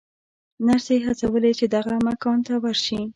نرسې هڅولې چې دغه مکان ته ورشي.